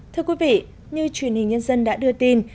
thưa quý vị như truyền hình nhân dân đã đưa tin